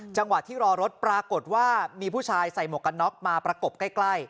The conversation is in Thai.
จังหวะที่รอรถปรากฏว่ามีผู้ชายใส่หมวกกันน็อกมาประกบใกล้